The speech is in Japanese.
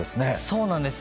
そうなんです。